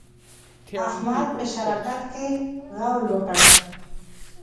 احمد په شراکت کې غول وکړل.